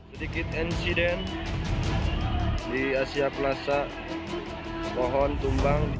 sedikit insiden di asia plaza pohon tumbang